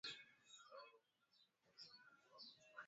mambo ya ndani ya alliance makala kuhusu alliance francois